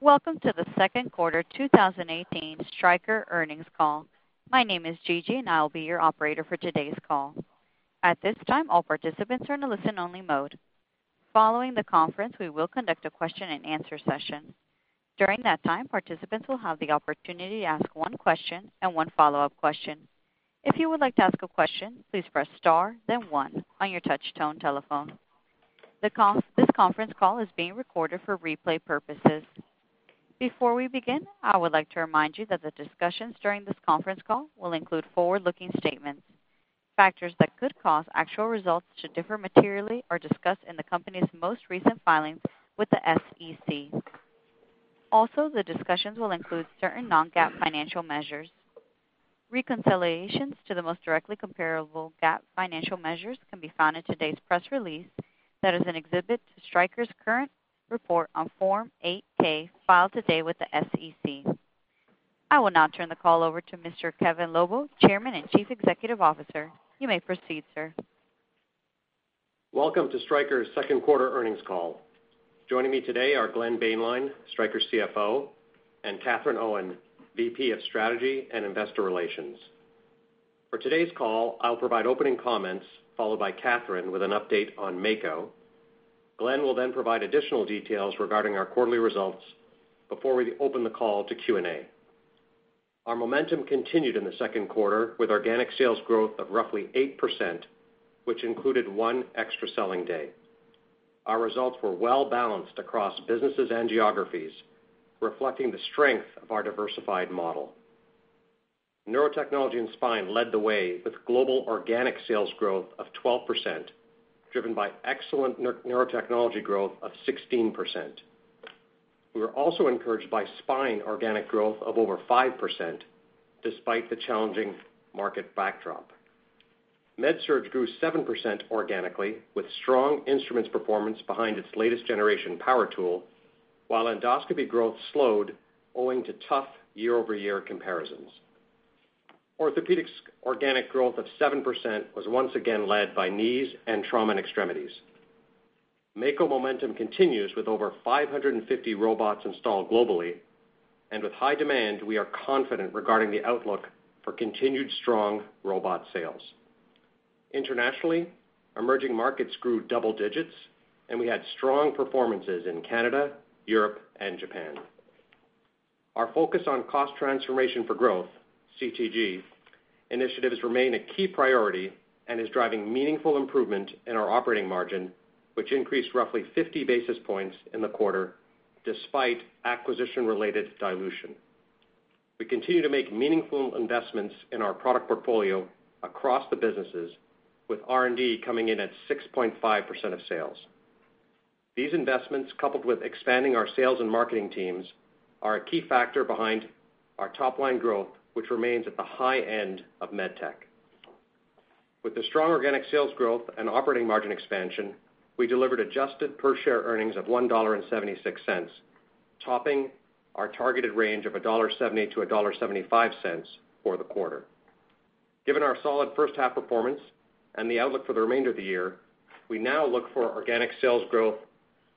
Welcome to the second quarter 2018 Stryker earnings call. My name is Gigi and I'll be your operator for today's call. At this time, all participants are in a listen-only mode. Following the conference, we will conduct a question and answer session. During that time, participants will have the opportunity to ask one question and one follow-up question. If you would like to ask a question, please press star then one on your touch-tone telephone. This conference call is being recorded for replay purposes. Before we begin, I would like to remind you that the discussions during this conference call will include forward-looking statements. Factors that could cause actual results to differ materially are discussed in the company's most recent filings with the SEC. Also, the discussions will include certain non-GAAP financial measures. Reconciliations to the most directly comparable GAAP financial measures can be found in today's press release, that is an exhibit to Stryker's current report on Form 8-K filed today with the SEC. I will now turn the call over to Mr. Kevin Lobo, Chairman and Chief Executive Officer. You may proceed, sir. Welcome to Stryker's second quarter earnings call. Joining me today are Glenn Boehnlein, Stryker CFO, and Katherine Owen, VP of Strategy and Investor Relations. For today's call, I'll provide opening comments followed by Katherine with an update on Mako. Glenn will then provide additional details regarding our quarterly results before we open the call to Q&A. Our momentum continued in the second quarter with organic sales growth of roughly 8%, which included one extra selling day. Our results were well-balanced across businesses and geographies, reflecting the strength of our diversified model. Neurotechnology and Spine led the way with global organic sales growth of 12%, driven by excellent neurotechnology growth of 16%. We were also encouraged by Spine organic growth of over 5%, despite the challenging market backdrop. MedSurg grew 7% organically with strong Instruments performance behind its latest generation power tool, while Endoscopy growth slowed owing to tough year-over-year comparisons. Orthopaedics organic growth of 7% was once again led by knees and trauma and extremities. Mako momentum continues with over 550 robots installed globally, and with high demand, we are confident regarding the outlook for continued strong robot sales. Internationally, emerging markets grew double digits, and we had strong performances in Canada, Europe, and Japan. Our focus on cost transformation for growth, CTG, initiatives remain a key priority and is driving meaningful improvement in our operating margin, which increased roughly 50 basis points in the quarter despite acquisition-related dilution. We continue to make meaningful investments in our product portfolio across the businesses, with R&D coming in at 6.5% of sales. These investments, coupled with expanding our sales and marketing teams, are a key factor behind our top-line growth, which remains at the high end of med tech. With the strong organic sales growth and operating margin expansion, we delivered adjusted per share earnings of $1.76, topping our targeted range of $1.70-$1.75 for the quarter. Given our solid first half performance and the outlook for the remainder of the year, we now look for organic sales growth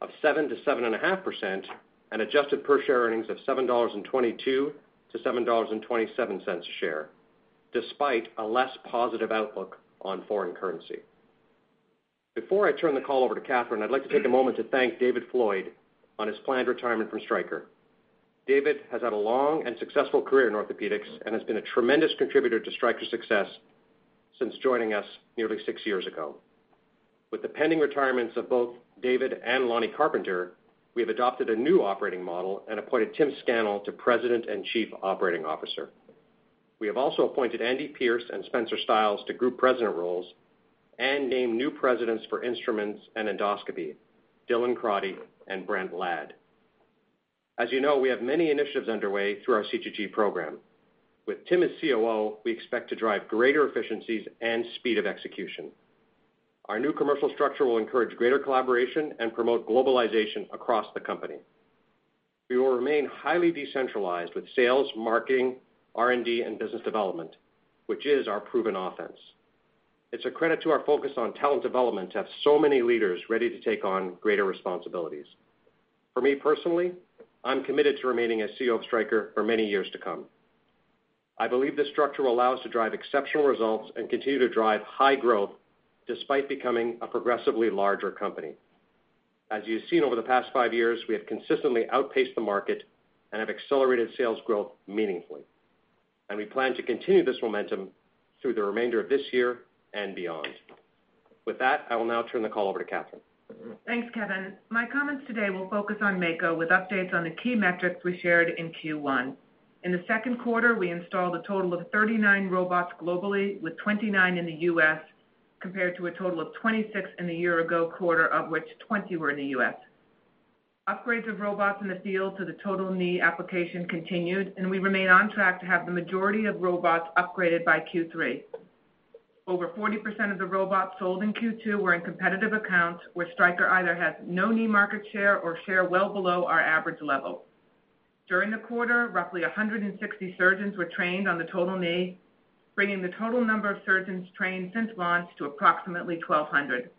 of 7%-7.5% and adjusted per share earnings of $7.22-$7.27 a share, despite a less positive outlook on foreign currency. Before I turn the call over to Katherine, I'd like to take a moment to thank David Floyd on his planned retirement from Stryker. David has had a long and successful career in orthopedics and has been a tremendous contributor to Stryker's success since joining us nearly six years ago. With the pending retirements of both David and Lonny Carpenter, we have adopted a new operating model and appointed Tim Scannell to President and Chief Operating Officer. We have also appointed Andy Pierce and Spencer Stiles to group president roles and named new presidents for Instruments and Endoscopy, Dylan Crotty and Brent Ladd. As you know, we have many initiatives underway through our CTG program. With Tim as COO, we expect to drive greater efficiencies and speed of execution. Our new commercial structure will encourage greater collaboration and promote globalization across the company. We will remain highly decentralized with sales, marketing, R&D, and business development, which is our proven offense. It's a credit to our focus on talent development to have so many leaders ready to take on greater responsibilities. For me personally, I'm committed to remaining as CEO of Stryker for many years to come. I believe this structure will allow us to drive exceptional results and continue to drive high growth despite becoming a progressively larger company. As you've seen over the past five years, we have consistently outpaced the market and have accelerated sales growth meaningfully. We plan to continue this momentum through the remainder of this year and beyond. With that, I will now turn the call over to Katherine. Thanks, Kevin. My comments today will focus on Mako with updates on the key metrics we shared in Q1. In the second quarter, we installed a total of 39 robots globally with 29 in the U.S. compared to a total of 26 in the year-ago quarter, of which 20 were in the U.S. Upgrades of robots in the field to the total knee application continued, and we remain on track to have the majority of robots upgraded by Q3. Over 40% of the robots sold in Q2 were in competitive accounts where Stryker either has no knee market share or share well below our average level. During the quarter, roughly 160 surgeons were trained on the total knee, bringing the total number of surgeons trained since launch to approximately 1,200.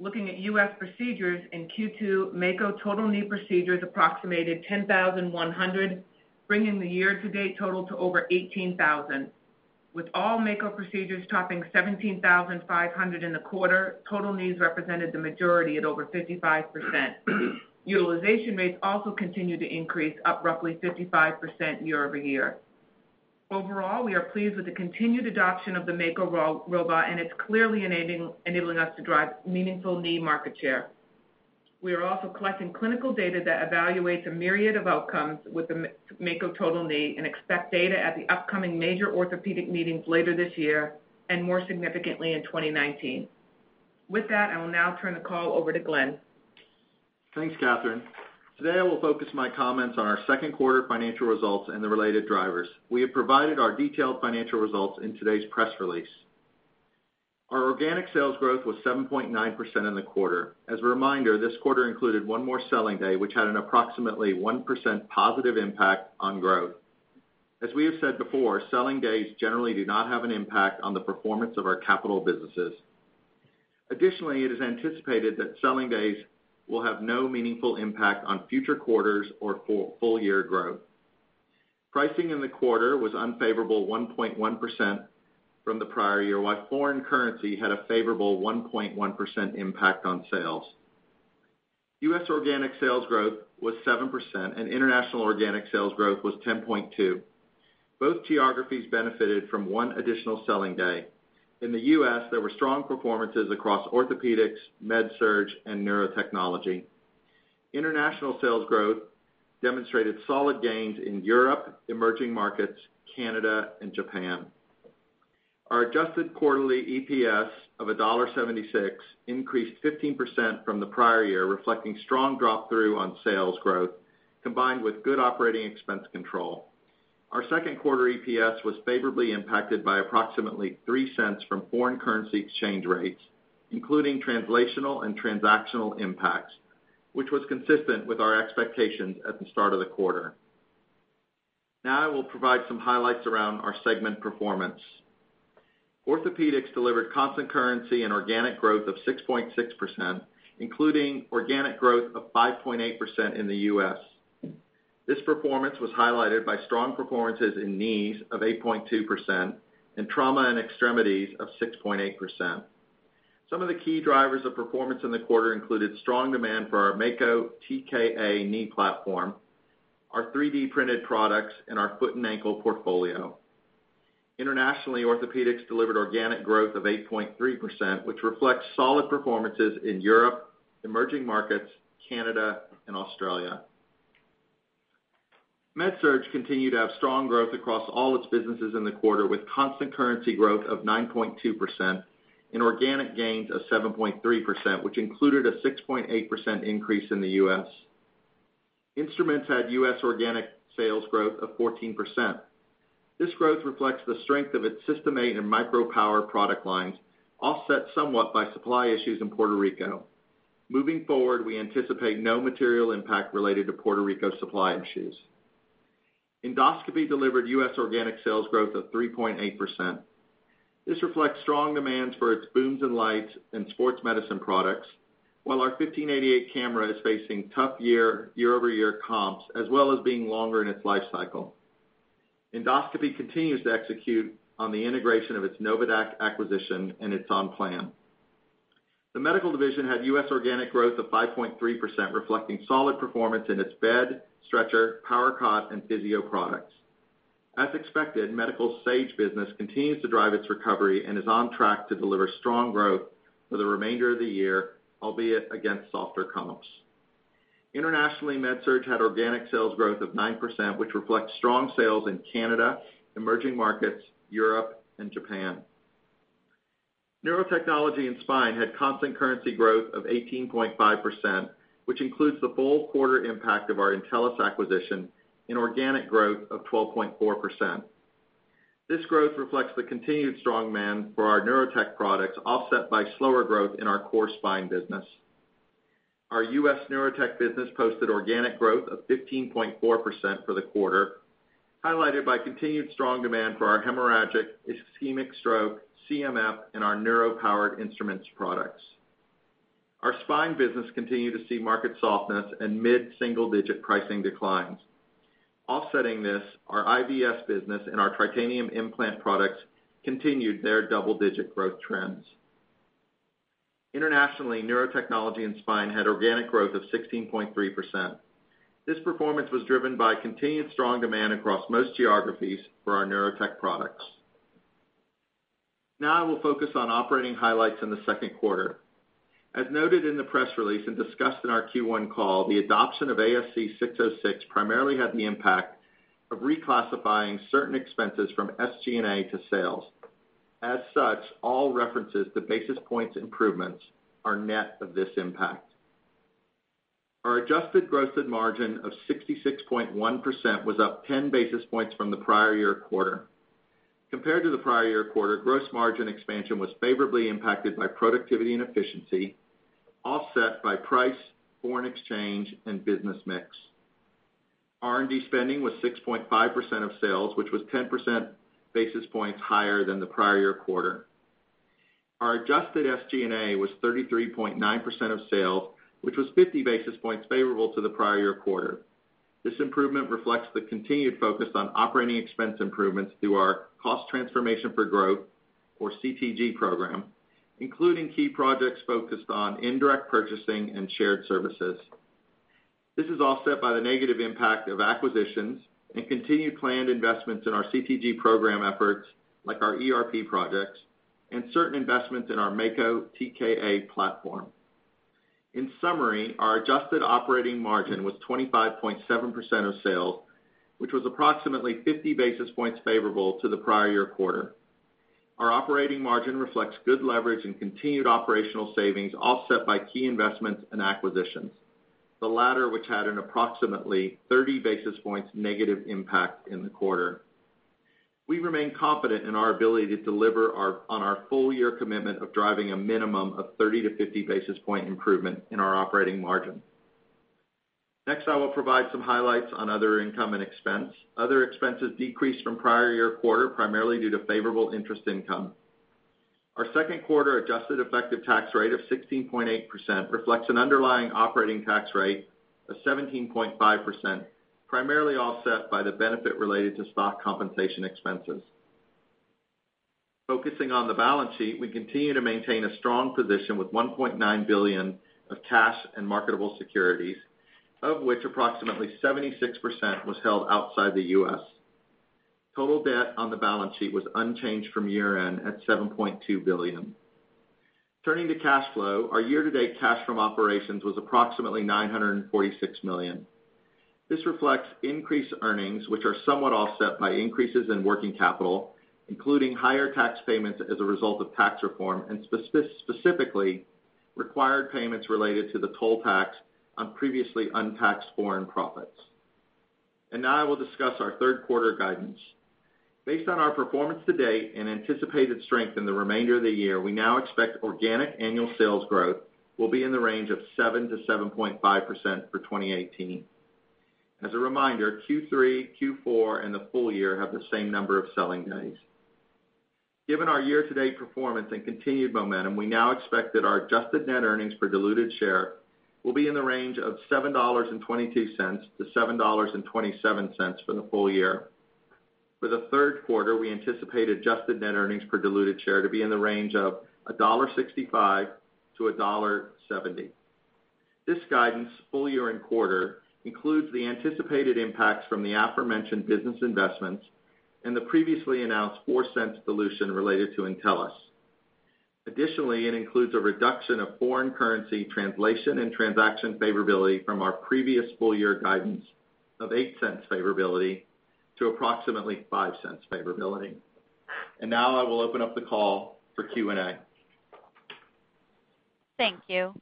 Looking at U.S. procedures in Q2, Mako total knee procedures approximated 10,100, bringing the year-to-date total to over 18,000. With all Mako procedures topping 17,500 in the quarter, total knees represented the majority at over 55%. Utilization rates also continued to increase, up roughly 55% year-over-year. Overall, we are pleased with the continued adoption of the Mako robot, and it's clearly enabling us to drive meaningful knee market share. We are also collecting clinical data that evaluates a myriad of outcomes with the Mako total knee and expect data at the upcoming major orthopedic meetings later this year, and more significantly in 2019. With that, I will now turn the call over to Glenn. Thanks, Katherine. Today, I will focus my comments on our second quarter financial results and the related drivers. We have provided our detailed financial results in today's press release. Our organic sales growth was 7.9% in the quarter. As a reminder, this quarter included one more selling day, which had an approximately 1% positive impact on growth. As we have said before, selling days generally do not have an impact on the performance of our capital businesses. Additionally, it is anticipated that selling days will have no meaningful impact on future quarters or full year growth. Pricing in the quarter was unfavorable 1.1% from the prior year, while foreign currency had a favorable 1.1% impact on sales. U.S. organic sales growth was 7%, and international organic sales growth was 10.2%. Both geographies benefited from one additional selling day. In the U.S., there were strong performances across Orthopaedics, MedSurg, and Neurotechnology. International sales growth demonstrated solid gains in Europe, emerging markets, Canada, and Japan. Our adjusted quarterly EPS of $1.76 increased 15% from the prior year, reflecting strong drop-through on sales growth, combined with good operating expense control. Our second quarter EPS was favorably impacted by approximately $0.03 from foreign currency exchange rates, including translational and transactional impacts, which was consistent with our expectations at the start of the quarter. Now, I will provide some highlights around our segment performance. Orthopaedics delivered constant currency and organic growth of 6.6%, including organic growth of 5.8% in the U.S. This performance was highlighted by strong performances in knees of 8.2% and trauma and extremities of 6.8%. Some of the key drivers of performance in the quarter included strong demand for our Mako TKA knee platform, our 3D-printed products, and our foot and ankle portfolio. Internationally, Orthopaedics delivered organic growth of 8.3%, which reflects solid performances in Europe, emerging markets, Canada, and Australia. MedSurg continued to have strong growth across all its businesses in the quarter, with constant currency growth of 9.2% and organic gains of 7.3%, which included a 6.8% increase in the U.S. Instruments had U.S. organic sales growth of 14%. This growth reflects the strength of its System 8 and Micro Power product lines, offset somewhat by supply issues in Puerto Rico. Moving forward, we anticipate no material impact related to Puerto Rico supply issues. Endoscopy delivered U.S. organic sales growth of 3.8%. This reflects strong demands for its booms and lights and Sports Medicine products, while our 1588 camera is facing tough year-over-year comps, as well as being longer in its life cycle. Endoscopy continues to execute on the integration of its NOVADAQ acquisition, and it is on plan. The Medical division had U.S. organic growth of 5.3%, reflecting solid performance in its bed, stretcher, Power-PRO cot, and Physio-Control products. As expected, Medical's Sage business continues to drive its recovery and is on track to deliver strong growth for the remainder of the year, albeit against softer comps. Internationally, MedSurg had organic sales growth of 9%, which reflects strong sales in Canada, emerging markets, Europe, and Japan. Neurotechnology and Spine had constant currency growth of 18.5%, which includes the full quarter impact of our Entellus Medical acquisition and organic growth of 12.4%. This growth reflects the continued strong demand for our Neurotech products, offset by slower growth in our core Spine business. Our U.S. Neurotech business posted organic growth of 15.4% for the quarter, highlighted by continued strong demand for our hemorrhagic ischemic stroke, CMF, and our Neuro-powered instruments products. Our Spine business continued to see market softness and mid-single-digit pricing declines. Offsetting this, our IVS business and our Tritanium implant products continued their double-digit growth trends. Internationally, Neurotechnology and Spine had organic growth of 16.3%. This performance was driven by continued strong demand across most geographies for our Neurotech products. I will focus on operating highlights in the second quarter. As noted in the press release and discussed in our Q1 call, the adoption of ASC 606 primarily had the impact of reclassifying certain expenses from SG&A to sales. All references to basis points improvements are net of this impact. Our adjusted gross margin of 66.1% was up 10 basis points from the prior year quarter. Gross margin expansion was favorably impacted by productivity and efficiency, offset by price, foreign exchange, and business mix. R&D spending was 6.5% of sales, which was 10 basis points higher than the prior year quarter. Our adjusted SG&A was 33.9% of sales, which was 50 basis points favorable to the prior year quarter. This improvement reflects the continued focus on operating expense improvements through our Cost Transformation for Growth, or CTG program, including key projects focused on indirect purchasing and shared services. This is offset by the negative impact of acquisitions and continued planned investments in our CTG program efforts, like our ERP project and certain investments in our Mako TKA platform. Our adjusted operating margin was 25.7% of sales, which was approximately 50 basis points favorable to the prior year quarter. Our operating margin reflects good leverage and continued operational savings, offset by key investments and acquisitions, the latter which had an approximately 30 basis points negative impact in the quarter. We remain confident in our ability to deliver on our full-year commitment of driving a minimum of 30 to 50 basis point improvement in our operating margin. I will provide some highlights on other income and expense. Other expenses decreased from prior year quarter, primarily due to favorable interest income. Our second quarter adjusted effective tax rate of 16.8% reflects an underlying operating tax rate of 17.5%, primarily offset by the benefit related to stock compensation expenses. Focusing on the balance sheet, we continue to maintain a strong position with $1.9 billion of cash and marketable securities, of which approximately 76% was held outside the U.S. Total debt on the balance sheet was unchanged from year-end at $7.2 billion. Turning to cash flow, our year-to-date cash from operations was approximately $946 million. This reflects increased earnings, which are somewhat offset by increases in working capital, including higher tax payments as a result of tax reform, and specifically, required payments related to the toll tax on previously untaxed foreign profits. Now I will discuss our third quarter guidance. Based on our performance to date and anticipated strength in the remainder of the year, we now expect organic annual sales growth will be in the range of 7%-7.5% for 2018. As a reminder, Q3, Q4, and the full year have the same number of selling days. Given our year-to-date performance and continued momentum, we now expect that our adjusted net earnings per diluted share will be in the range of $7.22-$7.27 for the full year. For the third quarter, we anticipate adjusted net earnings per diluted share to be in the range of $1.65-$1.70. This guidance, full year and quarter, includes the anticipated impacts from the aforementioned business investments and the previously announced $0.04 dilution related to Entellus. Additionally, it includes a reduction of foreign currency translation and transaction favorability from our previous full year guidance of $0.08 favorability to approximately $0.05 favorability. Now I will open up the call for Q&A. Thank you.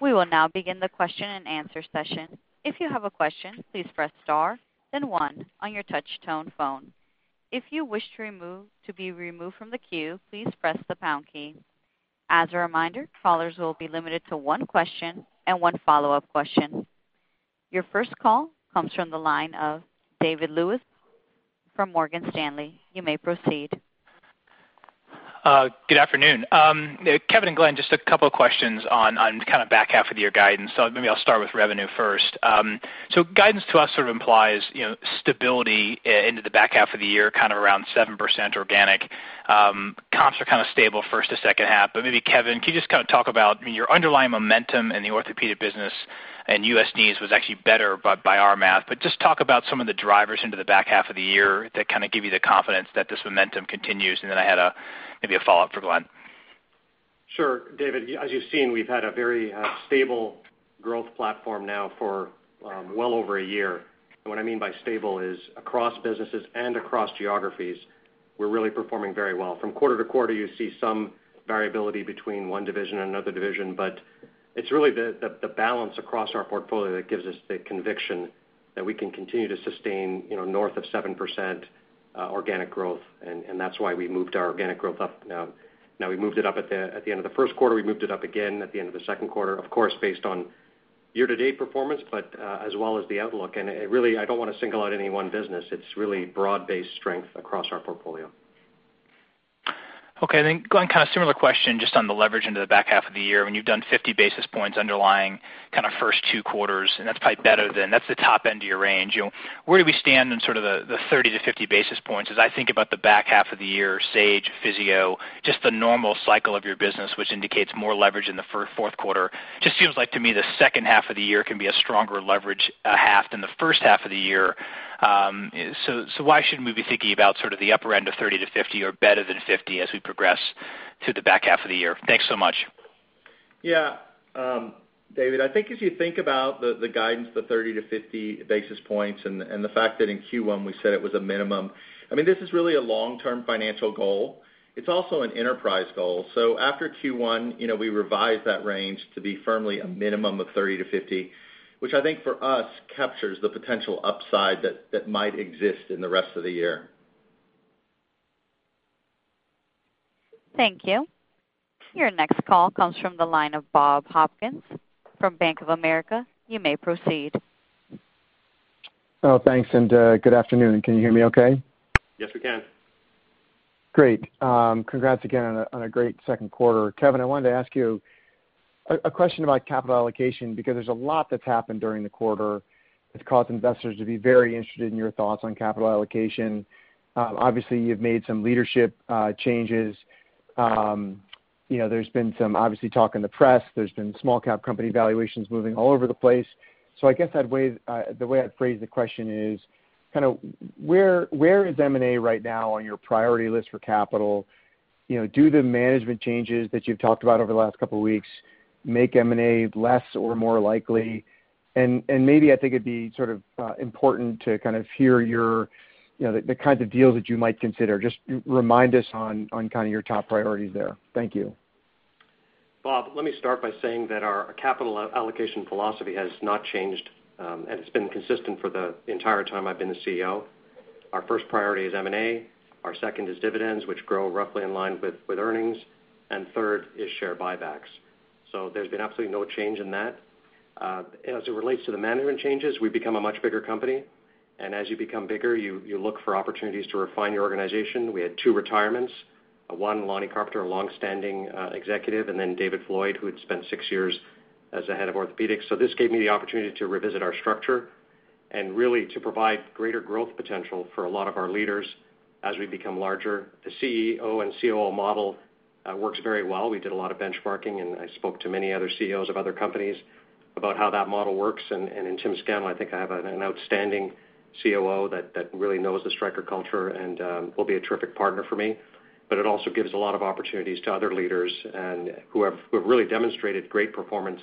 We will now begin the question and answer session. If you have a question, please press star then one on your touch tone phone. If you wish to be removed from the queue, please press the pound key. As a reminder, callers will be limited to one question and one follow-up question. Your first call comes from the line of David Lewis from Morgan Stanley. You may proceed. Good afternoon. Kevin and Glenn, just a couple of questions on kind of back half of the year guidance. Maybe I'll start with revenue first. Guidance to us sort of implies stability into the back half of the year, kind of around 7% organic. Comps are kind of stable first to second half. Maybe Kevin, can you just kind of talk about your underlying momentum in the Orthopaedics business and U.S. needs was actually better, by our math. Just talk about some of the drivers into the back half of the year that kind of give you the confidence that this momentum continues, and then I had maybe a follow-up for Glenn. David, as you've seen, we've had a very stable growth platform now for well over a year. What I mean by stable is across businesses and across geographies, we're really performing very well. From quarter to quarter, you see some variability between one division and another division, but it's really the balance across our portfolio that gives us the conviction that we can continue to sustain north of 7% organic growth, that's why we moved our organic growth up now. We moved it up at the end of the first quarter, we moved it up again at the end of the second quarter. Of course, based on year-to-date performance, but as well as the outlook. Really, I don't want to single out any one business. It's really broad-based strength across our portfolio. Okay, Glenn, kind of similar question just on the leverage into the back half of the year. When you've done 50 basis points underlying kind of first two quarters, and that's probably better than, that's the top end of your range. Where do we stand in sort of the 30 to 50 basis points as I think about the back half of the year, Sage, Physio, just the normal cycle of your business, which indicates more leverage in the fourth quarter. Just seems like to me the second half of the year can be a stronger leverage half than the first half of the year. Why shouldn't we be thinking about sort of the upper end of 30 to 50 or better than 50 as we progress to the back half of the year? Thanks so much. Yeah. David, I think as you think about the guidance, the 30 to 50 basis points, and the fact that in Q1 we said it was a minimum, I mean, this is really a long-term financial goal. It's also an enterprise goal. After Q1, we revised that range to be firmly a minimum of 30 to 50, which I think for us captures the potential upside that might exist in the rest of the year. Thank you. Your next call comes from the line of Bob Hopkins from Bank of America. You may proceed. Thanks, good afternoon. Can you hear me okay? Yes, we can. Great. Congrats again on a great second quarter. Kevin, I wanted to ask you a question about capital allocation, because there's a lot that's happened during the quarter that's caused investors to be very interested in your thoughts on capital allocation. Obviously, you've made some leadership changes. There's been some, obviously, talk in the press. There's been small cap company valuations moving all over the place. I guess, the way I'd phrase the question is: where is M&A right now on your priority list for capital? Do the management changes that you've talked about over the last couple of weeks make M&A less or more likely? Maybe, I think it'd be important to hear the kinds of deals that you might consider. Just remind us on your top priorities there. Thank you. Bob, let me start by saying that our capital allocation philosophy has not changed, and it's been consistent for the entire time I've been the CEO. Our first priority is M&A. Our second is dividends, which grow roughly in line with earnings. Third is share buybacks. There's been absolutely no change in that. As it relates to the management changes, we've become a much bigger company, and as you become bigger, you look for opportunities to refine your organization. We had two retirements, one, Lonny Carpenter, a longstanding executive, and then David Floyd, who had spent six years as the head of Orthopaedics. This gave me the opportunity to revisit our structure and really to provide greater growth potential for a lot of our leaders as we become larger. The CEO and COO model works very well. We did a lot of benchmarking, I spoke to many other CEOs of other companies about how that model works. In Timothy Scannell, I think I have an outstanding COO that really knows the Stryker culture and will be a terrific partner for me. It also gives a lot of opportunities to other leaders who have really demonstrated great performance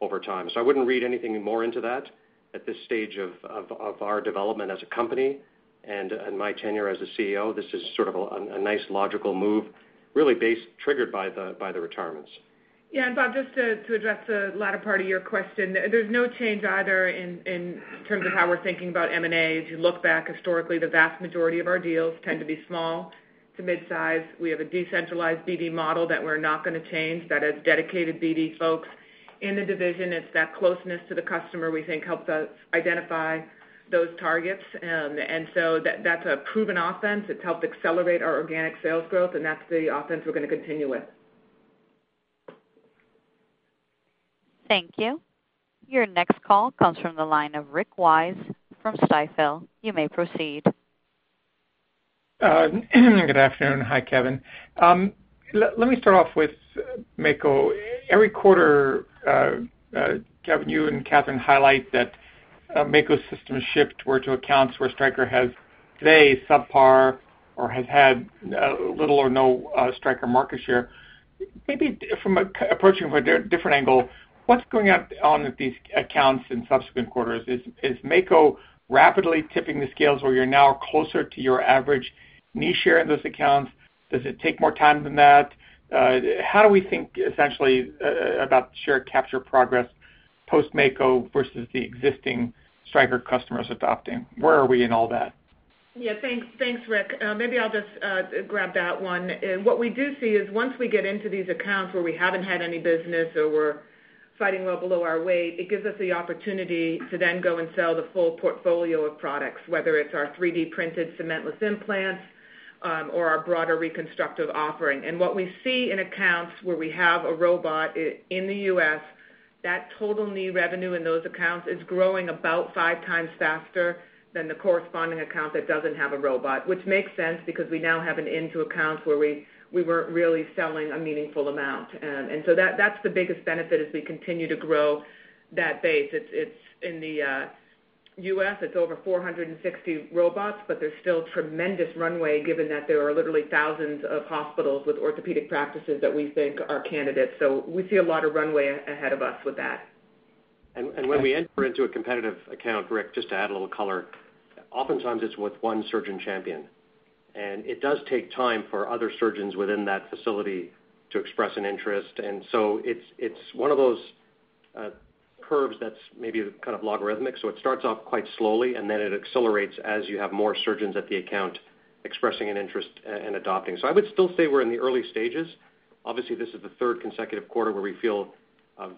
over time. I wouldn't read anything more into that at this stage of our development as a company and my tenure as a CEO. This is sort of a nice logical move, really triggered by the retirements. Yeah. Bob, just to address the latter part of your question, there's no change either in terms of how we're thinking about M&A. As you look back historically, the vast majority of our deals tend to be small to mid-size. We have a decentralized BD model that we're not going to change that has dedicated BD folks in the division. It's that closeness to the customer we think helps us identify those targets. That's a proven offense. It's helped accelerate our organic sales growth, and that's the offense we're going to continue with. Thank you. Your next call comes from the line of Rick Wise from Stifel. You may proceed. Good afternoon. Hi, Kevin. Let me start off with Mako. Every quarter, Kevin, you and Katherine highlight that Mako system shift were to accounts where Stryker has today subpar or has had little or no Stryker market share. Maybe approaching from a different angle, what's going on with these accounts in subsequent quarters? Is Mako rapidly tipping the scales where you're now closer to your average niche share in those accounts? Does it take more time than that? How do we think, essentially, about share capture progress post Mako versus the existing Stryker customers adopting? Where are we in all that? Yeah. Thanks, Rick. Maybe I'll just grab that one. What we do see is once we get into these accounts where we haven't had any business or we're fighting well below our weight, it gives us the opportunity to then go and sell the full portfolio of products, whether it's our 3D-printed cementless implants or our broader reconstructive offering. What we see in accounts where we have a robot in the U.S., that total knee revenue in those accounts is growing about five times faster than the corresponding account that doesn't have a robot, which makes sense because we now have an in to accounts where we weren't really selling a meaningful amount. That's the biggest benefit as we continue to grow that base. In the U.S., it's over 460 robots, but there's still tremendous runway given that there are literally thousands of hospitals with Orthopaedics practices that we think are candidates. We see a lot of runway ahead of us with that. When we enter into a competitive account, Rick, just to add a little color, oftentimes it's with one surgeon champion, it does take time for other surgeons within that facility to express an interest, it's one of those curves that's maybe kind of logarithmic. It starts off quite slowly, then it accelerates as you have more surgeons at the account expressing an interest and adopting. I would still say we're in the early stages. Obviously, this is the third consecutive quarter where we feel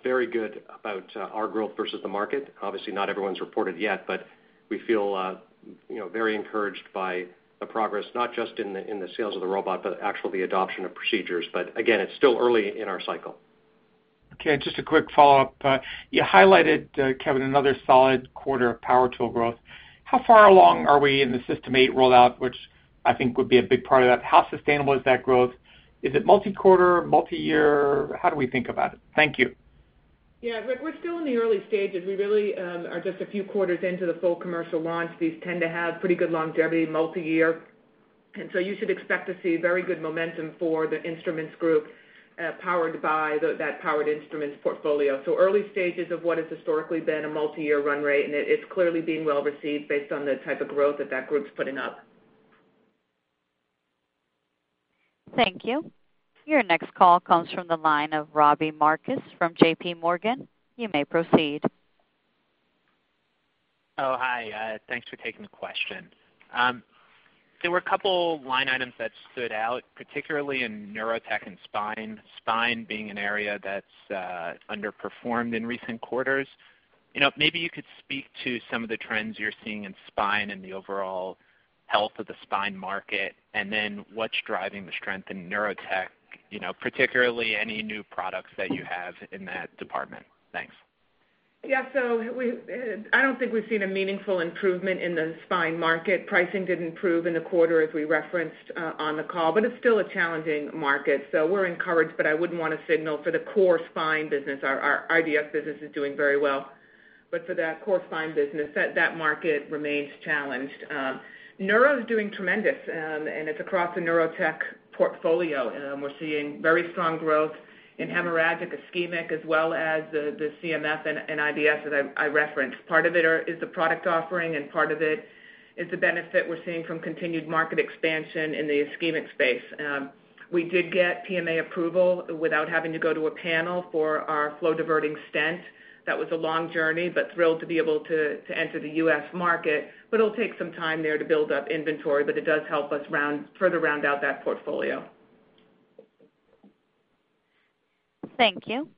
very good about our growth versus the market. Obviously, not everyone's reported yet, but we feel very encouraged by the progress, not just in the sales of the robot, but actually the adoption of procedures. Again, it's still early in our cycle. Just a quick follow-up. You highlighted, Kevin, another solid quarter of power tool growth. How far along are we in the System 8 rollout, which I think would be a big part of that? How sustainable is that growth? Is it multi-quarter, multi-year? How do we think about it? Thank you. Yeah, Rick, we're still in the early stages. We really are just a few quarters into the full commercial launch. These tend to have pretty good longevity, multi-year. You should expect to see very good momentum for the Instruments group, powered by that powered instruments portfolio. Early stages of what has historically been a multi-year run rate, and it's clearly being well received based on the type of growth that that group's putting up. Thank you. Your next call comes from the line of Robbie Marcus from JPMorgan. You may proceed. Hi. Thanks for taking the question. There were a couple line items that stood out, particularly in Neurotech and Spine. Spine being an area that's underperformed in recent quarters. Maybe you could speak to some of the trends you're seeing in Spine and the overall health of the Spine market, and then what's driving the strength in Neurotech, particularly any new products that you have in that department. Thanks. Yeah. I don't think we've seen a meaningful improvement in the Spine market. Pricing did improve in the quarter, as we referenced on the call, it's still a challenging market. We're encouraged, I wouldn't want to signal for the core Spine business. Our IVS business is doing very well. For that core Spine business, that market remains challenged. Neuro is doing tremendous, and it's across the Neurotech portfolio. We're seeing very strong growth in hemorrhagic ischemic as well as the CMF and IVS, as I referenced. Part of it is the product offering and part of it is the benefit we're seeing from continued market expansion in the ischemic space. We did get PMA approval without having to go to a panel for our flow-diverting stent. That was a long journey, but thrilled to be able to enter the U.S. market. It'll take some time there to build up inventory, but it does help us further round out that portfolio. Thank you.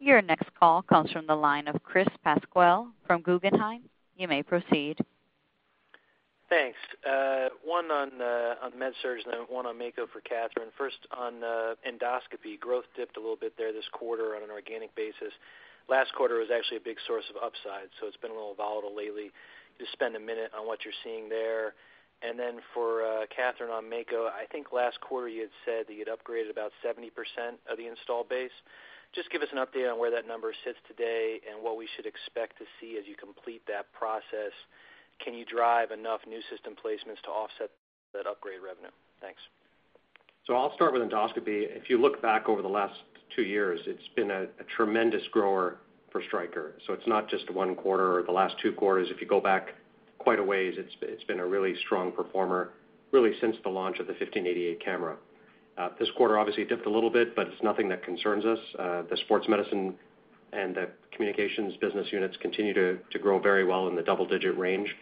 Your next call comes from the line of Chris Pasquale from Guggenheim. You may proceed. Thanks. One on MedSurg and then one on Mako for Katherine. First, on Endoscopy, growth dipped a little bit there this quarter on an organic basis. Last quarter was actually a big source of upside. It's been a little volatile lately. Just spend a minute on what you're seeing there. For Katherine on Mako, I think last quarter you had said that you'd upgraded about 70% of the install base. Just give us an update on where that number sits today and what we should expect to see as you complete that process. Can you drive enough new system placements to offset that upgrade revenue? Thanks. I'll start with Endoscopy. If you look back over the last two years, it's been a tremendous grower for Stryker. It's not just one quarter or the last two quarters. If you go back quite a ways, it's been a really strong performer, really since the launch of the 1588 camera. This quarter obviously dipped a little bit, but it's nothing that concerns us. The sports medicine and the communications business units continue to grow very well in the double-digit range.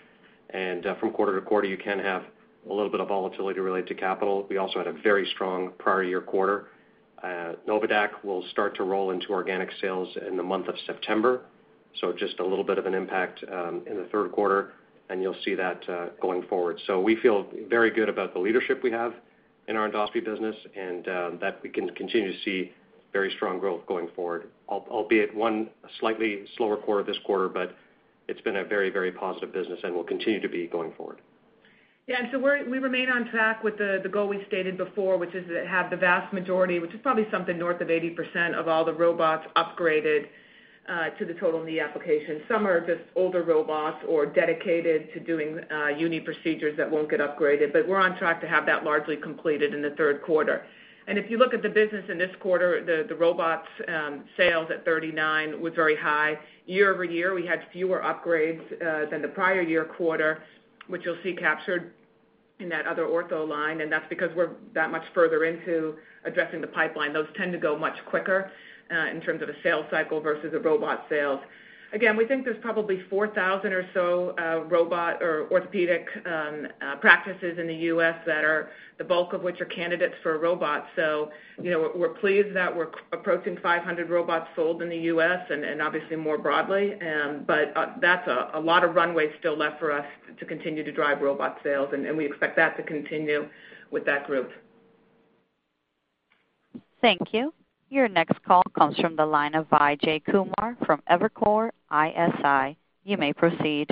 From quarter to quarter, you can have a little bit of volatility related to capital. We also had a very strong prior year quarter. NOVADAQ will start to roll into organic sales in the month of September, so just a little bit of an impact in the third quarter, and you'll see that going forward. We feel very good about the leadership we have in our Endoscopy business and that we can continue to see very strong growth going forward. Albeit one slightly slower quarter this quarter, but it's been a very, very positive business and will continue to be going forward. We remain on track with the goal we stated before, which is to have the vast majority, which is probably something north of 80%, of all the robots upgraded to the total knee application. Some are just older robots or dedicated to doing uni procedures that won't get upgraded, but we're on track to have that largely completed in the third quarter. If you look at the business in this quarter, the robots sales at 39 was very high. Year-over-year, we had fewer upgrades than the prior year quarter, which you'll see captured in that other Ortho line, and that's because we're that much further into addressing the pipeline. Those tend to go much quicker in terms of a sales cycle versus a robot sales. Again, we think there's probably 4,000 or so robotic practices in the U.S., the bulk of which are candidates for a robot. We're pleased that we're approaching 500 robots sold in the U.S. and obviously more broadly. That's a lot of runway still left for us to continue to drive robot sales, and we expect that to continue with that group. Thank you. Your next call comes from the line of Vijay Kumar from Evercore ISI. You may proceed.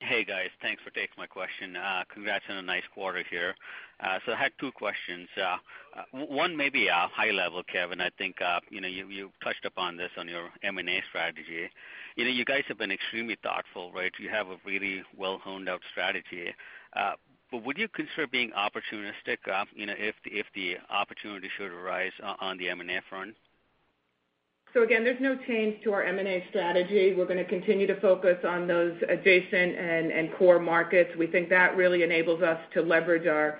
Hey, guys. Thanks for taking my question. Congrats on a nice quarter here. I had two questions. One maybe high level, Kevin. I think you touched upon this on your M&A strategy. You guys have been extremely thoughtful, right? You have a really well-honed out strategy. Would you consider being opportunistic if the opportunity should arise on the M&A front? Again, there's no change to our M&A strategy. We're going to continue to focus on those adjacent and core markets. We think that really enables us to leverage our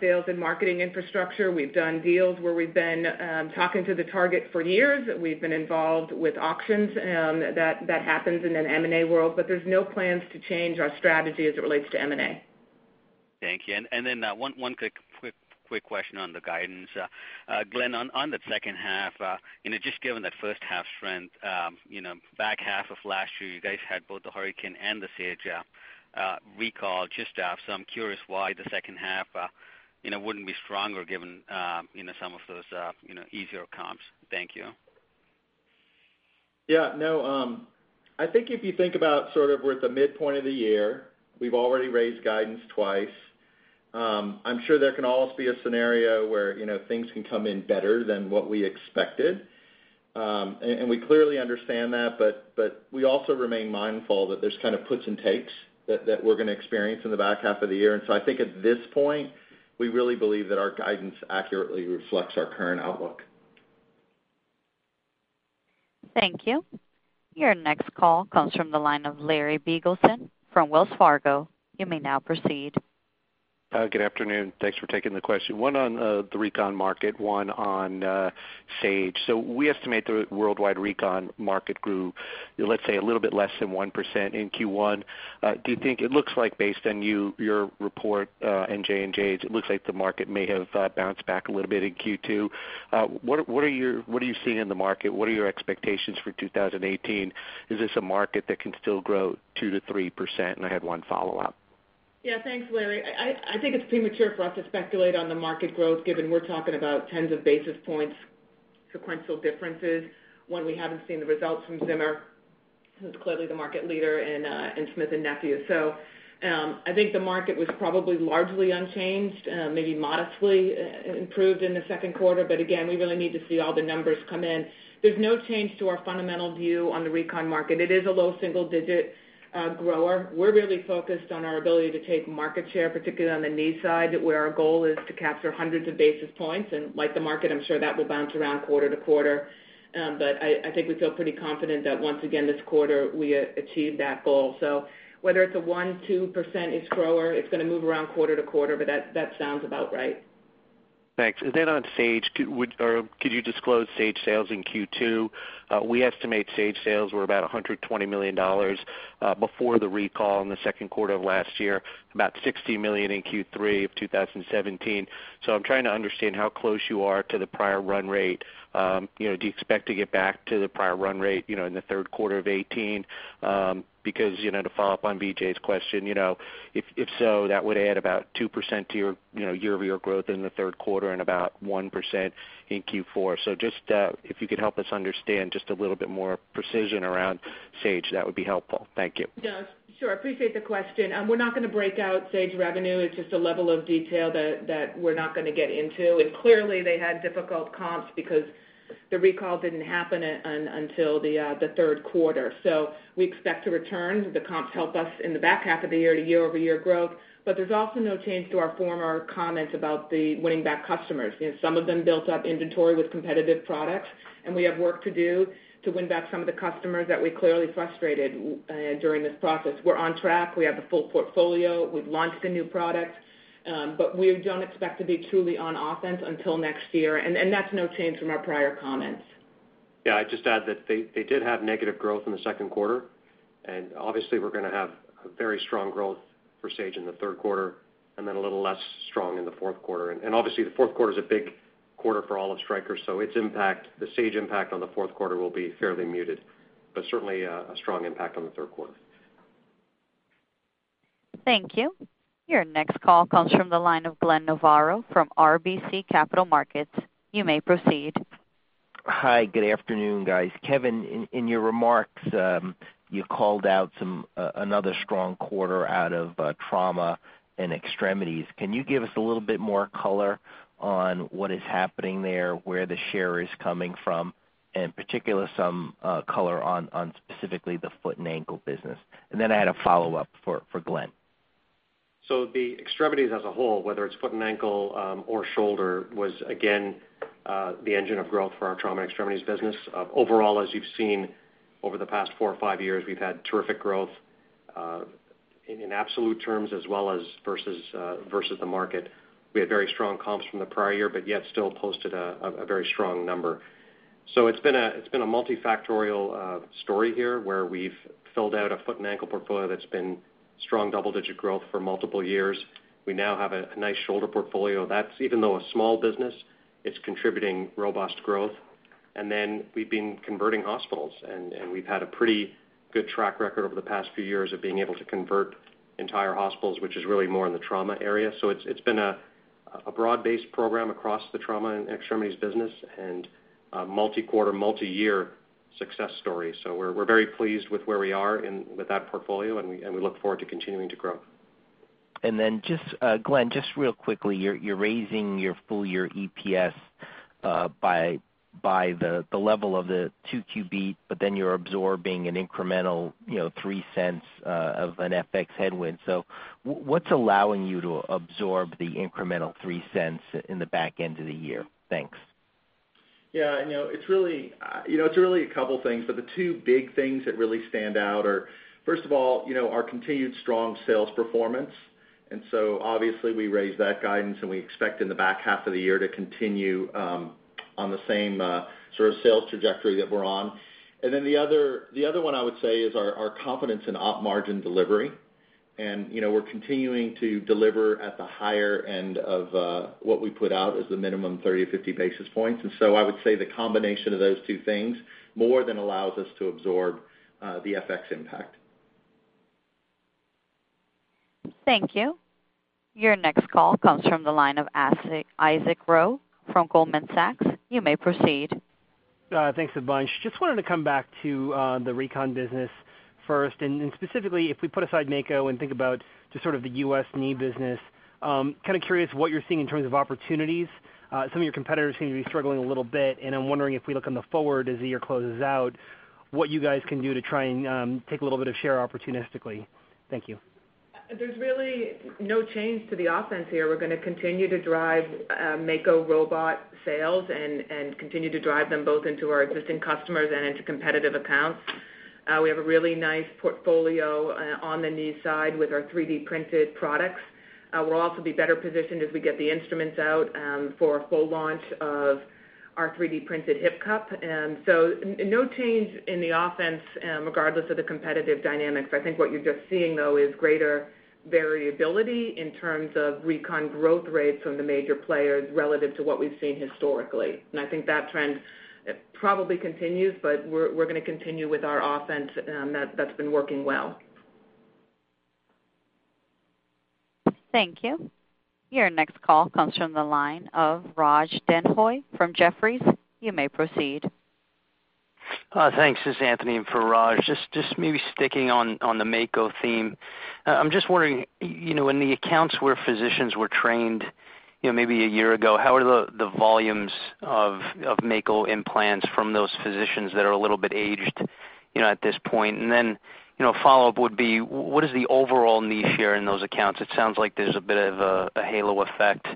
sales and marketing infrastructure. We've done deals where we've been talking to the target for years. We've been involved with auctions. That happens in an M&A world. There's no plans to change our strategy as it relates to M&A. Thank you. One quick question on the guidance. Glenn, on the second half, just given that first half strength, back half of last year you guys had both the Hurricane and the Sage recall just to have. I'm curious why the second half wouldn't be stronger given some of those easier comps. Thank you. I think if you think about we're at the midpoint of the year. We've already raised guidance twice. I'm sure there can also be a scenario where things can come in better than what we expected. We clearly understand that. We also remain mindful that there's kind of puts and takes that we're going to experience in the back half of the year. I think at this point, we really believe that our guidance accurately reflects our current outlook. Thank you. Your next call comes from the line of Larry Biegelsen from Wells Fargo. You may now proceed Good afternoon. Thanks for taking the question. One on the recon market, one on Sage. We estimate the worldwide recon market grew, let's say, a little bit less than 1% in Q1. It looks like based on your report and J&J's, it looks like the market may have bounced back a little bit in Q2. What are you seeing in the market? What are your expectations for 2018? Is this a market that can still grow 2% to 3%? I had one follow-up. Yeah, thanks, Larry. I think it's premature for us to speculate on the market growth, given we're talking about tens of basis points sequential differences when we haven't seen the results from Zimmer, who's clearly the market leader, and Smith & Nephew. I think the market was probably largely unchanged, maybe modestly improved in the second quarter. Again, we really need to see all the numbers come in. There's no change to our fundamental view on the recon market. It is a low single-digit grower. We're really focused on our ability to take market share, particularly on the knee side, where our goal is to capture hundreds of basis points. Like the market, I'm sure that will bounce around quarter-to-quarter. I think we feel pretty confident that once again, this quarter, we achieved that goal. Whether it's a 1%, 2% grower, it's going to move around quarter-to-quarter, that sounds about right. Thanks. On Sage, could you disclose Sage sales in Q2? We estimate Sage sales were about $120 million before the recall in the second quarter of last year, about $60 million in Q3 of 2017. I'm trying to understand how close you are to the prior run rate. Do you expect to get back to the prior run rate in the third quarter of 2018? To follow up on Vijay question, if so, that would add about 2% to your year-over-year growth in the third quarter and about 1% in Q4. Just if you could help us understand just a little bit more precision around Sage, that would be helpful. Thank you. Yeah, sure. Appreciate the question. We're not going to break out Sage revenue. It's just a level of detail that we're not going to get into. Clearly, they had difficult comps because the recall didn't happen until the third quarter. We expect to return. The comps help us in the back half of the year to year-over-year growth. There's also no change to our former comments about the winning back customers. Some of them built up inventory with competitive products, and we have work to do to win back some of the customers that we clearly frustrated during this process. We're on track. We have the full portfolio. We've launched a new product. We don't expect to be truly on offense until next year. That's no change from our prior comments. Yeah, I'd just add that they did have negative growth in the second quarter. Obviously, we're going to have a very strong growth for Sage in the third quarter and then a little less strong in the fourth quarter. Obviously, the fourth quarter is a big quarter for all of Stryker. The Sage impact on the fourth quarter will be fairly muted, but certainly a strong impact on the third quarter. Thank you. Your next call comes from the line of Glenn Novarro from RBC Capital Markets. You may proceed. Hi, good afternoon, guys. Kevin, in your remarks, you called out another strong quarter out of trauma and extremities. Can you give us a little bit more color on what is happening there, where the share is coming from, and particularly some color on specifically the foot and ankle business? I had a follow-up for Glenn. The extremities as a whole, whether it's foot and ankle or shoulder, was again the engine of growth for our trauma extremities business. Overall, as you've seen over the past four or five years, we've had terrific growth in absolute terms as well as versus the market. We had very strong comps from the prior year, yet still posted a very strong number. It's been a multifactorial story here where we've filled out a foot and ankle portfolio that's been strong double-digit growth for multiple years. We now have a nice shoulder portfolio. Even though a small business, it's contributing robust growth. We've been converting hospitals, and we've had a pretty good track record over the past few years of being able to convert entire hospitals, which is really more in the trauma area. It's been a broad-based program across the trauma and extremities business and a multi-quarter, multi-year success story. We're very pleased with where we are with that portfolio, and we look forward to continuing to grow. Glenn, just real quickly, you're raising your full-year EPS by the level of the 2Q beat, but then you're absorbing an incremental $0.03 of an FX headwind. What's allowing you to absorb the incremental $0.03 in the back end of the year? Thanks. It's really a couple things, but the two big things that really stand out are, first of all, our continued strong sales performance. Obviously we raised that guidance, and we expect in the back half of the year to continue on the same sort of sales trajectory that we're on. The other one I would say is our confidence in op margin delivery, and we're continuing to deliver at the higher end of what we put out as the minimum 30-50 basis points. I would say the combination of those two things more than allows us to absorb the FX impact. Thank you. Your next call comes from the line of Isaac Ro from Goldman Sachs. You may proceed. Thanks a bunch. Just wanted to come back to the recon business first, specifically, if we put aside Mako and think about just sort of the U.S. knee business. Kind of curious what you're seeing in terms of opportunities. Some of your competitors seem to be struggling a little bit, and I'm wondering if we look on the forward as the year closes out, what you guys can do to try and take a little bit of share opportunistically. Thank you. There's really no change to the offense here. We're going to continue to drive Mako robot sales and continue to drive them both into our existing customers and into competitive accounts. We have a really nice portfolio on the knee side with our 3D-printed products. We'll also be better positioned as we get the instruments out for a full launch of our 3D-printed hip cup. No change in the offense, regardless of the competitive dynamics. I think what you're just seeing, though, is greater variability in terms of recon growth rates from the major players, relative to what we've seen historically. I think that trend probably continues, but we're going to continue with our offense. That's been working well. Thank you. Your next call comes from the line of Anthony Petrone from Jefferies. You may proceed. Thanks. This is Anthony in for Raj. Maybe sticking on the Mako theme. I am just wondering, in the accounts where physicians were trained maybe a year ago, how are the volumes of Mako implants from those physicians that are a little bit aged at this point? A follow-up would be, what is the overall knee share in those accounts? It sounds like there is a bit of a halo effect.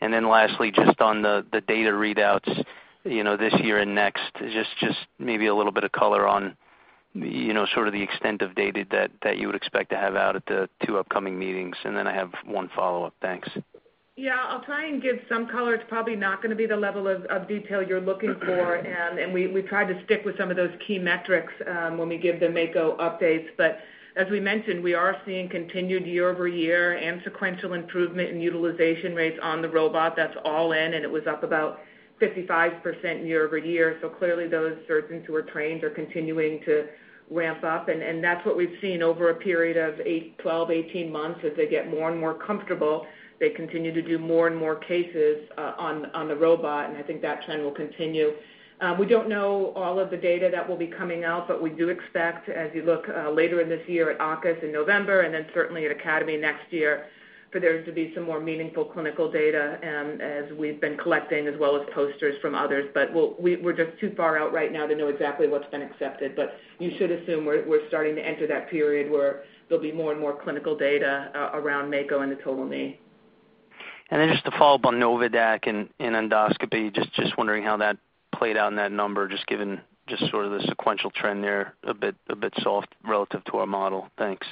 Lastly, just on the data readouts this year and next, just maybe a little bit of color on sort of the extent of data that you would expect to have out at the two upcoming meetings, then I have one follow-up. Thanks. Yeah, I will try and give some color. It is probably not going to be the level of detail you are looking for. We try to stick with some of those key metrics when we give the Mako updates. As we mentioned, we are seeing continued year-over-year and sequential improvement in utilization rates on the robot. That is all in, and it was up about 55% year-over-year. Clearly those surgeons who were trained are continuing to ramp up, and that is what we have seen over a period of eight, 12, 18 months. As they get more and more comfortable, they continue to do more and more cases on the robot, and I think that trend will continue. We do not know all of the data that will be coming out, we do expect, as you look later in this year at August and November, certainly at AAOS next year, for there to be some more meaningful clinical data as we have been collecting, as well as posters from others. We are just too far out right now to know exactly what has been accepted. You should assume we are starting to enter that period where there will be more and more clinical data around Mako and the total knee. Just to follow up on NOVADAQ and Endoscopy, just wondering how that played out in that number, just given the sequential trend there, a bit soft relative to our model. Thanks.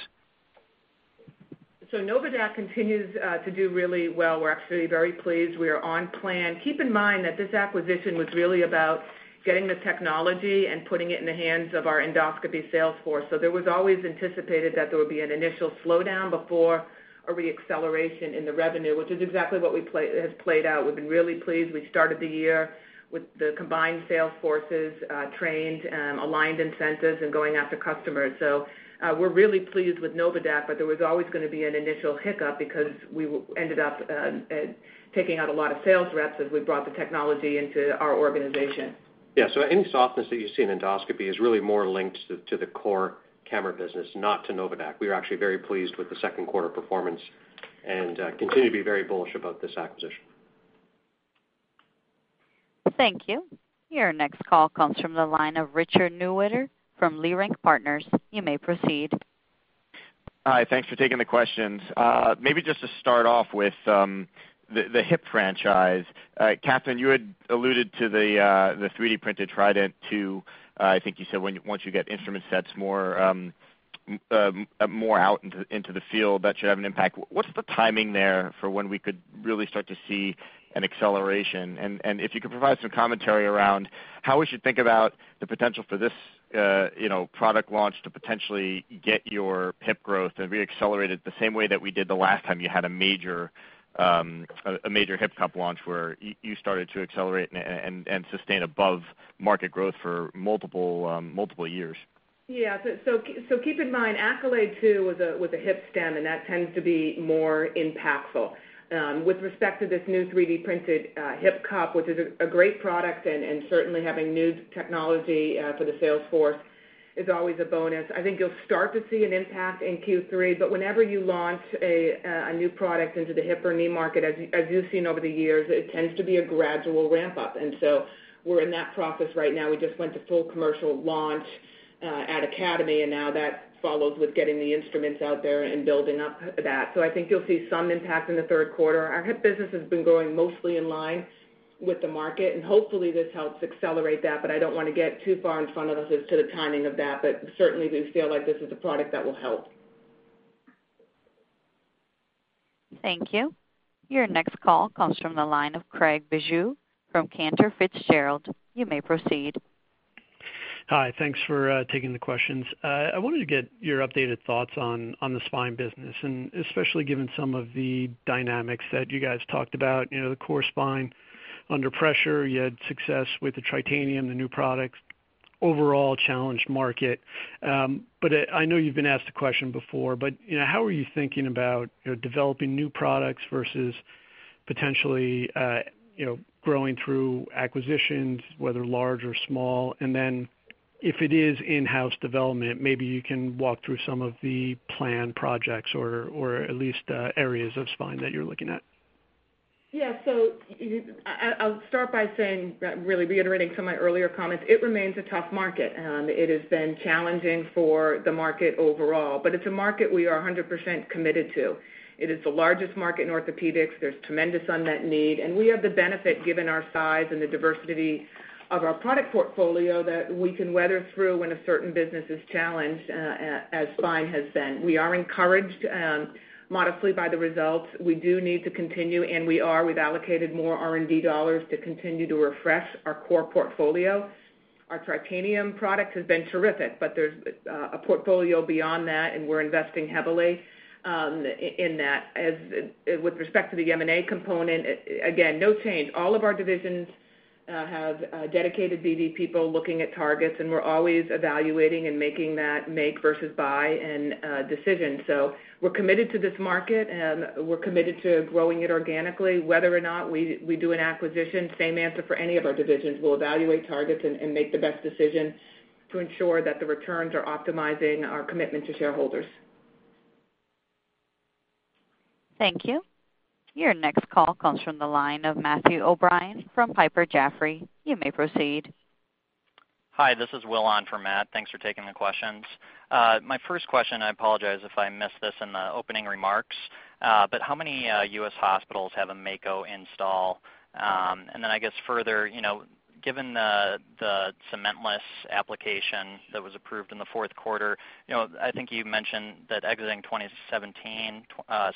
NOVADAQ continues to do really well. We're actually very pleased. We are on plan. Keep in mind that this acquisition was really about getting the technology and putting it in the hands of our Endoscopy sales force. There was always anticipated that there would be an initial slowdown before a re-acceleration in the revenue, which is exactly what has played out. We've been really pleased. We started the year with the combined sales forces trained, aligned incentives, and going after customers. We're really pleased with NOVADAQ, but there was always going to be an initial hiccup because we ended up taking out a lot of sales reps as we brought the technology into our organization. Yeah. Any softness that you see in Endoscopy is really more linked to the core camera business, not to NOVADAQ. We are actually very pleased with the second quarter performance and continue to be very bullish about this acquisition. Thank you. Your next call comes from the line of Richard Newitter from Leerink Partners. You may proceed. Hi. Thanks for taking the questions. Maybe just to start off with the hip franchise. Katherine, you had alluded to the 3D-printed Trident II. I think you said once you get instrument sets more out into the field, that should have an impact. What's the timing there for when we could really start to see an acceleration? If you could provide some commentary around how we should think about the potential for this product launch to potentially get your hip growth and re-accelerate it the same way that we did the last time you had a major hip cup launch where you started to accelerate and sustain above market growth for multiple years. Yeah. Keep in mind, Accolade II was a hip stem, and that tends to be more impactful. With respect to this new 3D-printed hip cup, which is a great product, and certainly having new technology for the sales force is always a bonus. I think you'll start to see an impact in Q3, whenever you launch a new product into the hip or knee market, as you've seen over the years, it tends to be a gradual ramp-up. We're in that process right now. We just went to full commercial launch at AAOS, and now that follows with getting the instruments out there and building up that. I think you'll see some impact in the third quarter. Our hip business has been growing mostly in line with the market, hopefully this helps accelerate that, I don't want to get too far in front of this as to the timing of that. Certainly, we feel like this is a product that will help. Thank you. Your next call comes from the line of Craig Bijou from Cantor Fitzgerald. You may proceed. Hi. Thanks for taking the questions. I wanted to get your updated thoughts on the spine business, especially given some of the dynamics that you guys talked about. The core spine under pressure. You had success with the Tritanium, the new product. Overall, a challenged market. I know you've been asked the question before, but how are you thinking about developing new products versus potentially growing through acquisitions, whether large or small? If it is in-house development, maybe you can walk through some of the planned projects or at least areas of spine that you're looking at. Yeah. I'll start by saying, really reiterating some of my earlier comments. It remains a tough market. It has been challenging for the market overall, but it's a market we are 100% committed to. It is the largest market in Orthopaedics. We have the benefit, given our size and the diversity of our product portfolio, that we can weather through when a certain business is challenged, as spine has been. We are encouraged modestly by the results. We do need to continue, and we are. We've allocated more R&D dollars to continue to refresh our core portfolio. Our Tritanium product has been terrific, but there's a portfolio beyond that, and we're investing heavily in that. With respect to the M&A component, again, no change. All of our divisions have dedicated BD people looking at targets, and we're always evaluating and making that make versus buy decision. We're committed to this market. We're committed to growing it organically, whether or not we do an acquisition, same answer for any of our divisions. We'll evaluate targets and make the best decisions to ensure that the returns are optimizing our commitment to shareholders. Thank you. Your next call comes from the line of Matthew O'Brien from Piper Jaffray. You may proceed. Hi, this is Will on for Matt. Thanks for taking the questions. My first question, I apologize if I missed this in the opening remarks, but how many U.S. hospitals have a Mako install? Then I guess further, given the cement-less application that was approved in the fourth quarter, I think you mentioned that exiting 2017,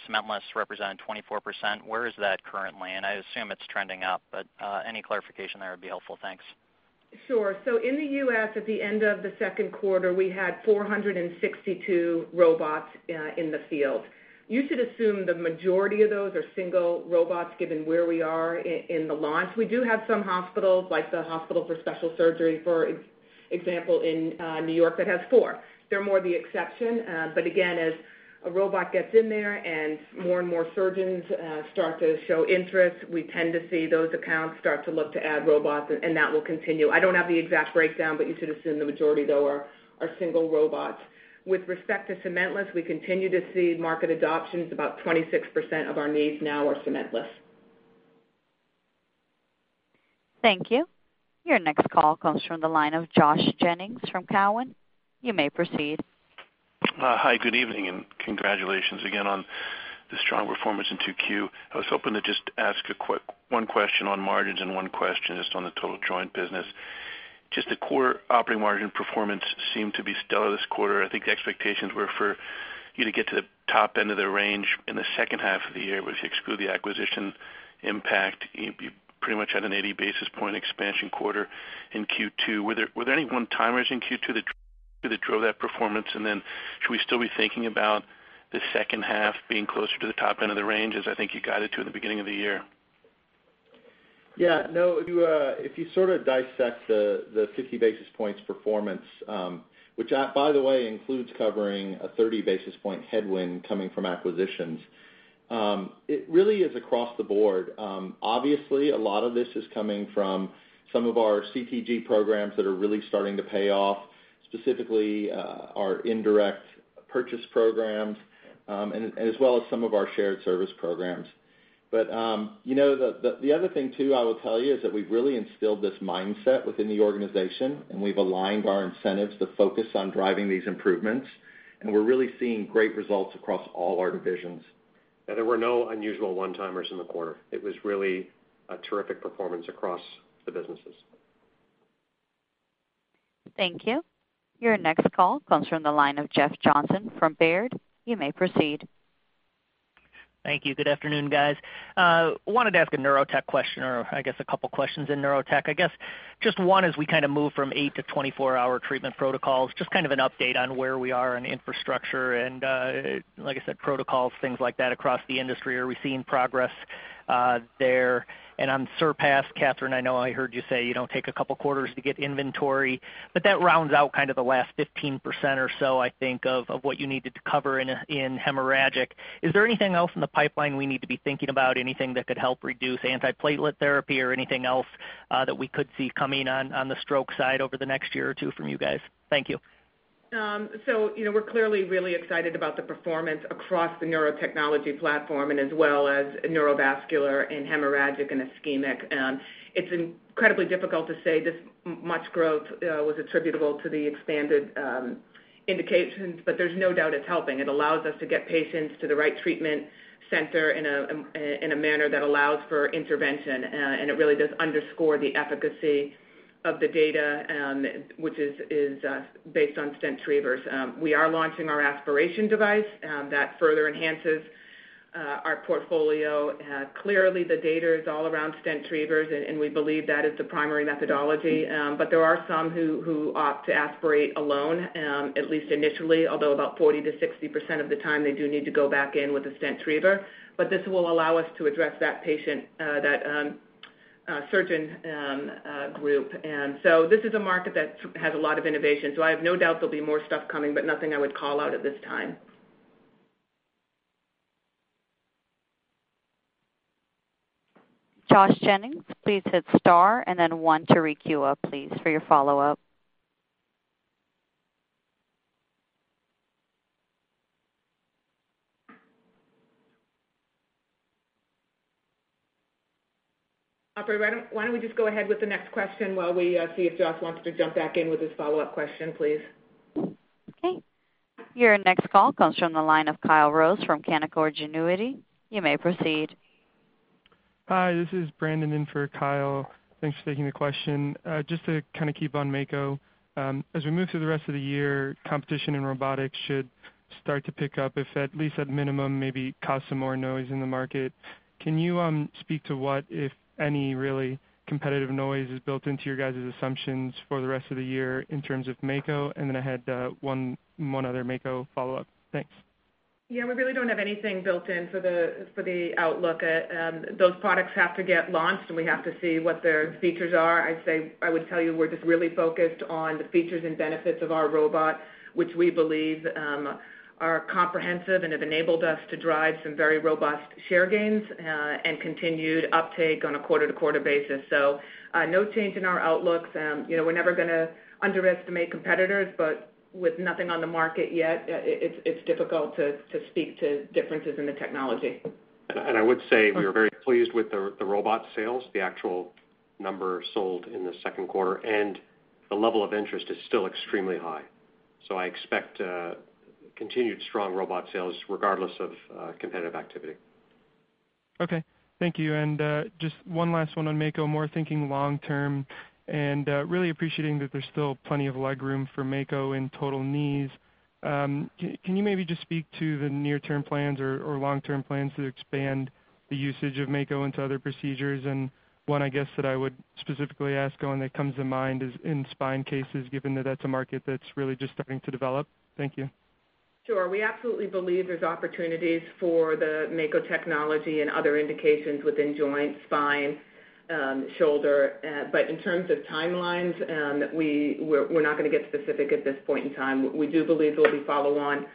cement-less represented 24%. Where is that currently? And I assume it's trending up, but any clarification there would be helpful. Thanks. Sure. In the U.S., at the end of the second quarter, we had 462 robots in the field. You should assume the majority of those are single robots, given where we are in the launch. We do have some hospitals, like the Hospital for Special Surgery, for example, in New York, that has four. They're more the exception. Again, as a robot gets in there and more and more surgeons start to show interest, we tend to see those accounts start to look to add robots, and that will continue. I don't have the exact breakdown, but you should assume the majority though, are single robots. With respect to cement-less, we continue to see market adoptions. About 26% of our knees now are cement-less. Thank you. Your next call comes from the line of Josh Jennings from Cowen. You may proceed. Hi, good evening, congratulations again on the strong performance in 2Q. I was hoping to just ask one question on margins and one question just on the total joint business. Just the core operating margin performance seemed to be stellar this quarter. I think the expectations were for you to get to the top end of the range in the second half of the year. If you exclude the acquisition impact, you pretty much had an 80 basis point expansion quarter in Q2. Were there any one-timers in Q2 that drove that performance? Then should we still be thinking about the second half being closer to the top end of the range, as I think you guided to in the beginning of the year? Yeah, no. If you sort of dissect the 50 basis points performance, which by the way, includes covering a 30 basis point headwind coming from acquisitions, it really is across the board. Obviously, a lot of this is coming from some of our CTG programs that are really starting to pay off, specifically our indirect purchase programs, as well as some of our shared service programs. The other thing too I will tell you is that we've really instilled this mindset within the organization, and we've aligned our incentives to focus on driving these improvements, and we're really seeing great results across all our divisions. There were no unusual one-timers in the quarter. It was really a terrific performance across the businesses. Thank you. Your next call comes from the line of Jeff Johnson from Baird. You may proceed. Thank you. Good afternoon, guys. Wanted to ask a neurotech question, or I guess a couple questions in neurotech. I guess just one as we kind of move from eight to 24-hour treatment protocols, just kind of an update on where we are on infrastructure and, like I said, protocols, things like that across the industry. Are we seeing progress there? On Surpass, Katherine, I know I heard you say you don't take a couple quarters to get inventory, but that rounds out kind of the last 15% or so I think of what you needed to cover in hemorrhagic. Is there anything else in the pipeline we need to be thinking about? Anything that could help reduce antiplatelet therapy or anything else that we could see coming on the stroke side over the next year or two from you guys? Thank you. We're clearly really excited about the performance across the neurotechnology platform and as well as neurovascular in hemorrhagic and ischemic. It's incredibly difficult to say this much growth was attributable to the expanded indications, there's no doubt it's helping. It allows us to get patients to the right treatment center in a manner that allows for intervention, it really does underscore the efficacy of the data, which is based on stent retrievers. We are launching our aspiration device. That further enhances our portfolio. Clearly, the data is all around stent retrievers, we believe that is the primary methodology. There are some who opt to aspirate alone, at least initially, although about 40%-60% of the time, they do need to go back in with a stent retriever. This will allow us to address that surgeon group. This is a market that has a lot of innovation, so I have no doubt there'll be more stuff coming, but nothing I would call out at this time. Josh Jennings, please hit star and then one to re-queue up, please, for your follow-up. Operator, why don't we just go ahead with the next question while we see if Josh wants to jump back in with his follow-up question, please? Okay. Your next call comes from the line of Kyle Rose from Canaccord Genuity. You may proceed. Hi, this is Brandon in for Kyle. Thanks for taking the question. Just to kind of keep on Mako. As we move through the rest of the year, competition in robotics should start to pick up if at least at minimum, maybe cause some more noise in the market. Can you speak to what, if any, really competitive noise is built into your guys' assumptions for the rest of the year in terms of Mako? Then I had one other Mako follow-up. Thanks. Yeah, we really don't have anything built in for the outlook. Those products have to get launched, and we have to see what their features are. I would tell you, we're just really focused on the features and benefits of our robot, which we believe are comprehensive and have enabled us to drive some very robust share gains, and continued uptake on a quarter-to-quarter basis. No change in our outlook. We're never going to underestimate competitors, but with nothing on the market yet, it's difficult to speak to differences in the technology. I would say we were very pleased with the robot sales, the actual numbers sold in the second quarter, and the level of interest is still extremely high. I expect continued strong robot sales regardless of competitive activity. Okay. Thank you. Just one last one on Mako, more thinking long term and really appreciating that there's still plenty of leg room for Mako in total knees. Can you maybe just speak to the near-term plans or long-term plans to expand the usage of Mako into other procedures? One, I guess, that I would specifically ask on that comes to mind is in spine cases, given that that's a market that's really just starting to develop. Thank you. Sure. We absolutely believe there's opportunities for the Mako technology and other indications within joint, spine, shoulder. In terms of timelines, we're not going to get specific at this point in time. We do believe there'll be follow-on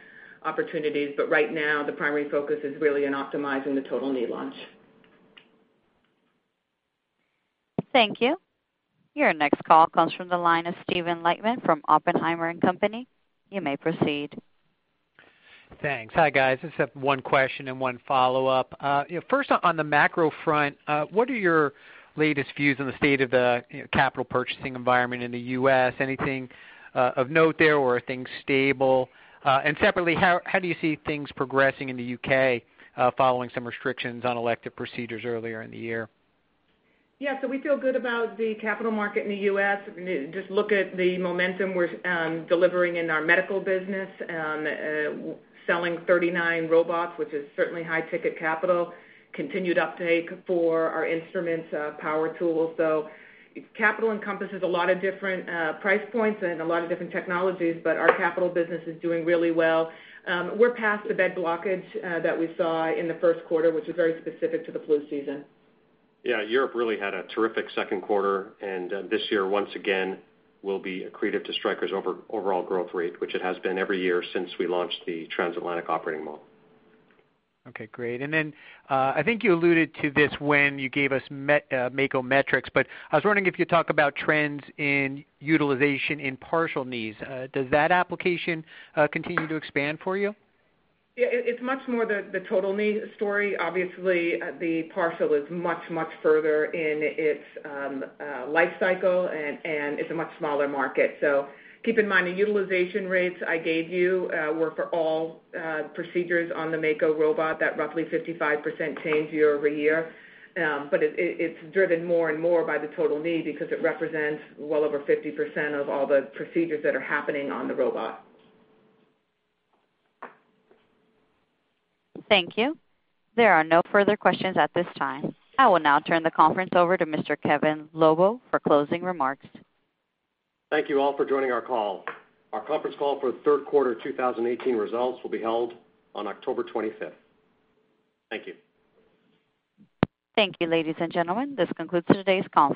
opportunities, but right now the primary focus is really on optimizing the total knee launch. Thank you. Your next call comes from the line of Steve Lichtman from Oppenheimer & Co.. You may proceed. Thanks. Hi, guys. I just have one question and one follow-up. First, on the macro front, what are your latest views on the state of the capital purchasing environment in the U.S.? Anything of note there, or are things stable? Separately, how do you see things progressing in the U.K. following some restrictions on elective procedures earlier in the year? Yeah, we feel good about the capital market in the U.S.. Just look at the momentum we're delivering in our medical business. Selling 39 robots, which is certainly high-ticket capital, continued uptake for our instruments, power tools. Capital encompasses a lot of different price points and a lot of different technologies, but our capital business is doing really well. We're past the bed blockage that we saw in the first quarter, which is very specific to the flu season. Yeah, Europe really had a terrific second quarter. This year, once again, will be accretive to Stryker's overall growth rate, which it has been every year since we launched the Transatlantic Operating Model. Okay, great. I think you alluded to this when you gave us Mako metrics, but I was wondering if you'd talk about trends in utilization in partial knees. Does that application continue to expand for you? Yeah, it's much more the total knee story. Obviously, the partial is much, much further in its life cycle and is a much smaller market. Keep in mind, the utilization rates I gave you were for all procedures on the Mako robot. That roughly 55% change year-over-year. It's driven more and more by the total knee because it represents well over 50% of all the procedures that are happening on the robot. Thank you. There are no further questions at this time. I will now turn the conference over to Mr. Kevin Lobo for closing remarks. Thank you all for joining our call. Our conference call for the third quarter 2018 results will be held on October 25th. Thank you. Thank you, ladies and gentlemen. This concludes today's conference.